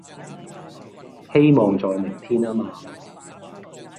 希望在明天呀嘛